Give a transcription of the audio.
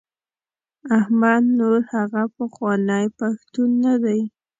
احمد نور هغه پخوانی پښتون نه دی.